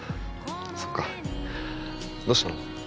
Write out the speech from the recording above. そっかどうしたの？